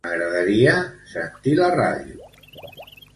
M'agradaria sentir la ràdio.